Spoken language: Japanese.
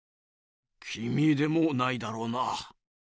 きみでもないだろうな。